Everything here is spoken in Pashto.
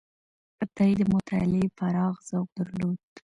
عطایي د مطالعې پراخ ذوق درلود.